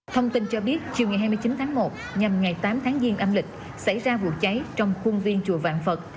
thông tin cho biết chiều ngày hai mươi chín tháng một nhằm ngày tám tháng giêng âm lịch xảy ra vụ cháy trong khuôn viên chùa vạn phật